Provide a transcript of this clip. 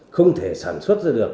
không thể sản xuất ra được